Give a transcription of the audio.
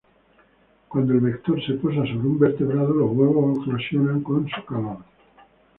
Cuando el vector se posa sobre un vertebrado, los huevos eclosionan con su calor.